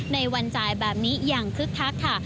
ในวันจ่ายแบบนี้อย่างคึกคักค่ะ